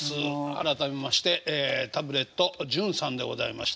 改めましてタブレット純さんでございまして。